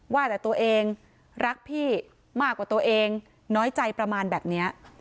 ว่าแต่ตัวเองรักพี่มากกว่าตัวเองน้อยใจประมาณแบบนี้